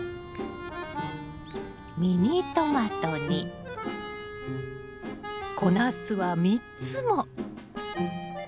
ミニトマトに小ナスは３つも！